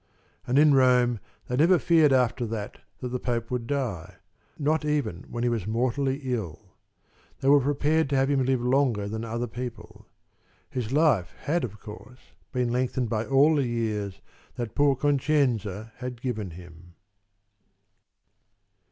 And in Rome they never feared after that that the Pope would die, not even when he was mortally ill. They were prepared to have him live longer than other people. His life had of course been lengthened by all the years that poor Concenza had given him.